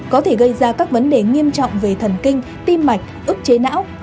có thể gây ra các vấn đề nghiêm trọng về thần kinh tim mạch ức chế não thậm chí gây tử vong